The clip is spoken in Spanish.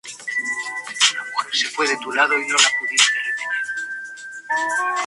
Tiene una forma similar a la de un triángulo rectángulo ensanchado por la hipotenusa.